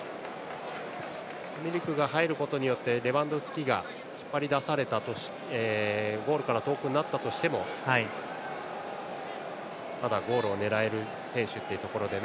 ミリクが入ることによってレバンドフスキがゴールから遠くなったとしてもまだゴールを狙える選手というところで。